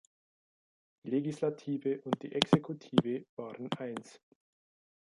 Die Legislative und die Exekutive waren eins.